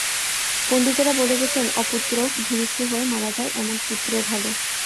পণ্ডিতেরা বলে গেছেন, অপুত্রক, ভূমিষ্ঠ হয়ে মারা যায় এমন পুত্রও ভালো।